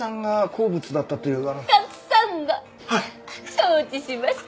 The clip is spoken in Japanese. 承知しました。